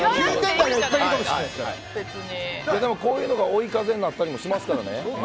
こういうのが追い風になったりもしますからね。